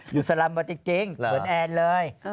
สลัมมาจริงเหมือนแอนเลย